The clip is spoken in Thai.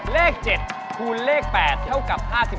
เลข๗คูณเลข๘เท่ากับ๕๘